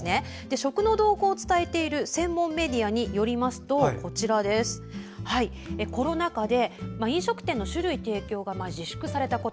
食の動向を伝えている専門メディアによりますとコロナ禍で飲食店の酒類提供が自粛されたこと。